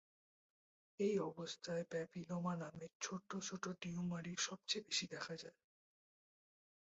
এই অবস্থায় প্যাপিলোমা নামে ছোট ছোট টিউমারই সবচেয়ে বেশি দেখা যায়।